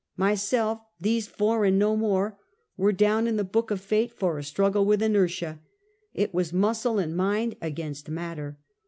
My self, " these four and no more, " were down in the book of fate for a struo ale with inertia. It was muscle and mind against matter.